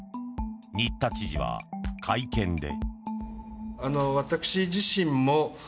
新田知事は会見で。